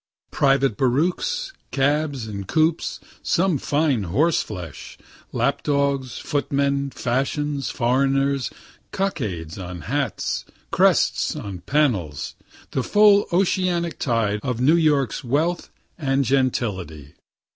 Private barouches, cabs and coupés, some fine horseflesh lapdogs, footmen, fashions, foreigners, cockades on hats, crests on panels the full oceanic tide of New York's wealth and "gentility."